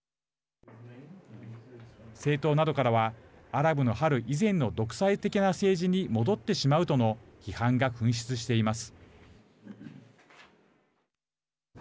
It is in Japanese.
政党などからはアラブの春以前の独裁的な政治に戻ってしまうとの批判が噴出しています。